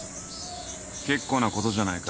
結構なことじゃないか。